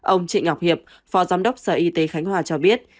ông trịnh ngọc hiệp phó giám đốc sở y tế khánh hòa cho biết